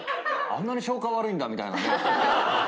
あんなに消化悪いんだみたいなね。